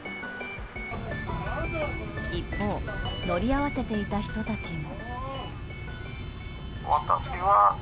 一方、乗り合わせていた人たちも。